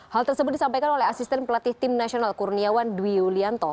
hal tersebut disampaikan oleh asisten pelatih tim nasional kurniawan dwi yulianto